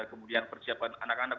kemudian persiapan anak anak